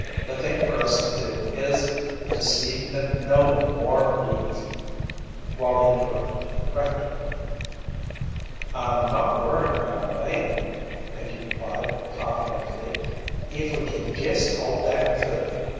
The thing for us to do is to see that no more leave," Wallie interrupted practically. "I'm not worryin' about them," Pinkey replied, confidently, "if we can jest hold that cook.